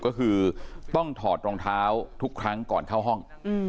ก็คือต้องถอดรองเท้าทุกครั้งก่อนเข้าห้อง